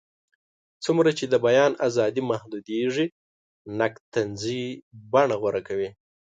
څومره چې د بیان ازادي محدودېږي، نقد طنزي بڼه غوره کوي.